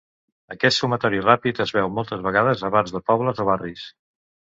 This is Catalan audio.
Aquest sumatori ràpid es veu moltes vegades a bars de pobles o barris.